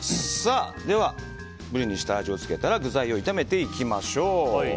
ブリに下味をつけたら具材を炒めていきましょう。